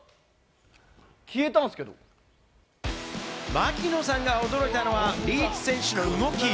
槙野さんが驚いたのは、リーチ選手の動き。